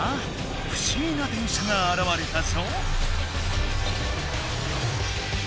不思議な電車があらわれたぞ。